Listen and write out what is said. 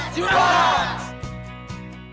tujuh dua belas jum'at